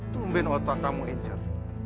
tumben otak kamu angel